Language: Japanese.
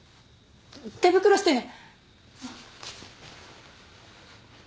手袋してね！